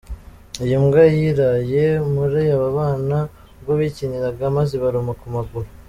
Iyi mbwa yiraye muri aba bana ubwo bikiniraga maze ibaruma ku maguru.